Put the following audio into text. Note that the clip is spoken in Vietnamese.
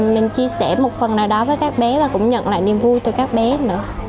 mình chia sẻ một phần nào đó với các bé và cũng nhận lại niềm vui từ các bé nữa